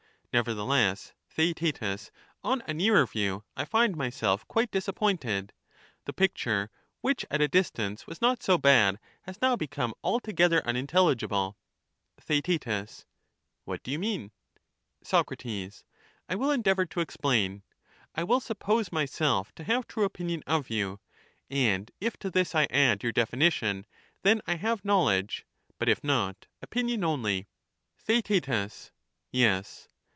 Nevertheless, Theaetetus, on a nearer view, I find myself quite disappointed ; the picture, which at a dis tance was not so bad, has now become altogether unin telligible. TheaeL What do you mean ? Soc. I will endeavour to explain : I will suppose myself to 209 have true opinion of you, and if to this I add your definition, then I have knowledge, but if not, opinion only. TheaeL Yes.